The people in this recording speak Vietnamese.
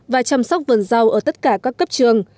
và chăm sóc vườn rau ở tất cả các cấp trường